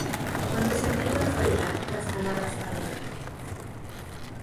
Cuando el sentido es bailar, las palabras bailan.